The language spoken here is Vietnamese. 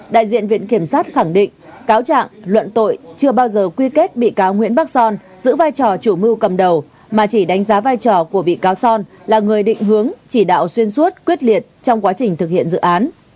đại diện viện kiểm sát khẳng định cáo trạng luận tội chưa bao giờ quy kết bị cáo nguyễn bắc son giữ vai trò chủ mưu cầm đầu mà chỉ đánh giá vai trò của bị cáo son là người định hướng chỉ đạo xuyên suốt quyết liệt trong quá trình thực hiện dự án